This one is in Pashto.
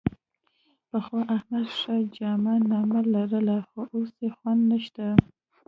پخوا احمد ښه جامه نامه لرله، خو اوس یې خوند نشته.